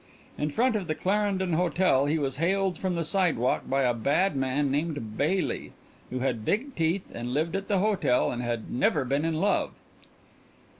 In front of the Clarendon Hotel he was hailed from the sidewalk by a bad man named Baily, who had big teeth and lived at the hotel and had never been in love.